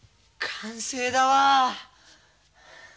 完成だ！わあ！